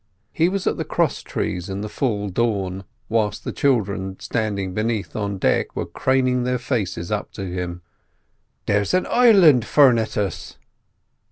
He was at the cross trees in the full dawn, whilst the children standing beneath on deck were craning their faces up to him. "There's an island forenint us."